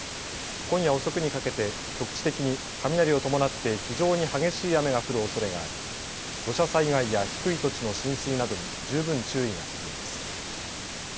今夜遅くにかけて局地的に雷を伴って非常に激しい雨が降るおそれがあり土砂災害や低い土地の浸水などに十分注意が必要です。